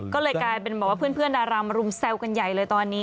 ก็เลยกลายเป็นแบบว่าเพื่อนดารามารุมแซวกันใหญ่เลยตอนนี้